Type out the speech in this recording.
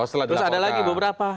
terus ada lagi beberapa